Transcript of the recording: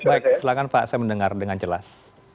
baik silahkan pak saya mendengar dengan jelas